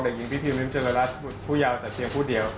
เด็กหญิงพิธีนิวเจลรัสผู้ยาวแต่เพียงผู้เดียว